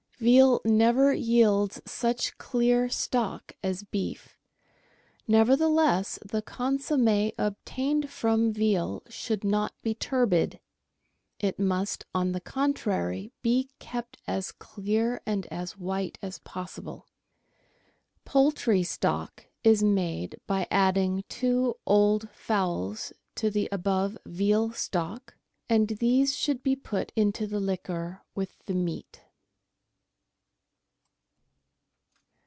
Veal never yields such clear stock as beef; nevertheless, the consomm^ obtained from veal should not be turbid. It must, on the contrary, be kept as clear and as white as possible. Poultry Stock is made by adding two old fowls to the above veal stock, and these should be put into the liquor with the meat.